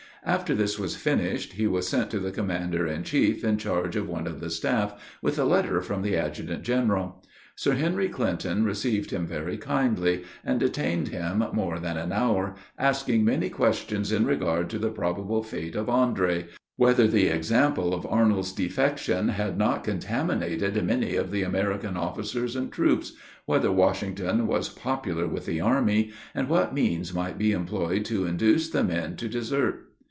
After this was finished, he was sent to the commander in chief in charge of one of the staff, with a letter from the adjutant general. Sir Henry Clinton received him very kindly, and detained him more than an hour, asking many questions in regard to the probable fate of Andre whether the example of Arnold's defection had not contaminated many of the American officers and troops whether Washington was popular with the army, and what means might be employed to induce the men to desert.